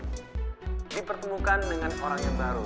dipertemukan dengan orang yang baru